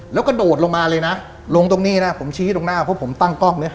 แล้วก็โดดลงมาเลยนะลงตรงนี้นะผมชี้ตรงหน้าเพราะผมตั้งกล้องเนี่ย